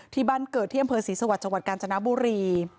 ที่บ้านเกิดที่อำเภอศรีสวรรค์จังหวัดกาญจนบุรี